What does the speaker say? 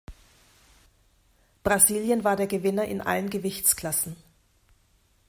Brasilien war der Gewinner in allen Gewichtsklassen.